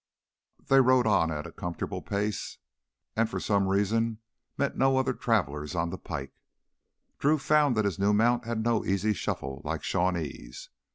They rode on at a comfortable pace and for some reason met no other travelers on the pike. Drew found his new mount had no easy shuffle like Shawnee's.